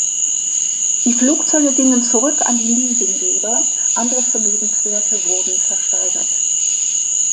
Die Flugzeuge gingen zurück an die Leasinggeber, andere Vermögenswerte wurden versteigert.